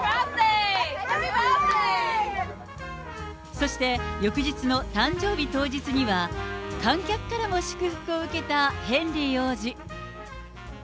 そして、翌日の誕生日当日には、観客からも祝福を受けたヘンリー王子。